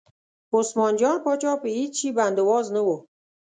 عثمان جان پاچا په هېڅ شي بند او واز نه و.